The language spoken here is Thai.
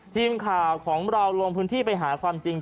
ทีมข่าวของเราลงพื้นที่ไปหาความจริง